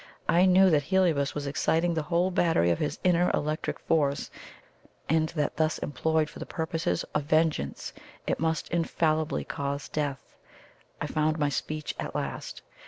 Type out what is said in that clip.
I knew that Heliobas was exciting the whole battery of his inner electric force, and that thus employed for the purposes of vengeance, it must infallibly cause death. I found my speech at last.